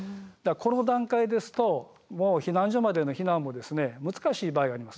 この段階ですともう避難所までの避難も難しい場合があります。